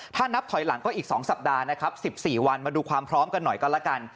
ถ้านับถอยหลังก็อีก๒สัปดาห์นะครับ๑๔วันมาดูความพร้อมกันหน่อยก็แล้วกัน